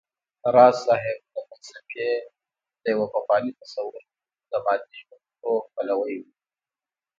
راز صيب د فلسفې د يو پخواني تصور د مادې ژونديتوب پلوی و